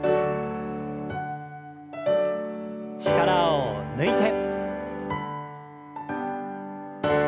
力を抜いて。